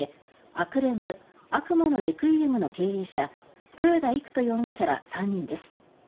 「あくれむー悪魔のレクイエム」の経営者豊田郁斗容疑者ら３人です。